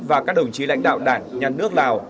và các đồng chí lãnh đạo đảng nhà nước lào